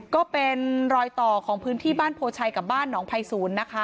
ก็เป็นรอยต่อของพื้นที่บ้านโพชัยกับบ้านหนองภัยศูนย์นะคะ